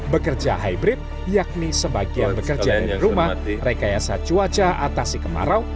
bekerja hybrid yakni sebagian bekerja di rumah rekayasa cuaca atasi kemarau